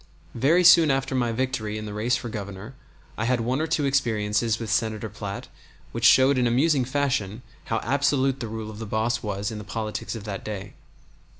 Very soon after my victory in the race for Governor I had one or two experiences with Senator Platt which showed in amusing fashion how absolute the rule of the boss was in the politics of that day.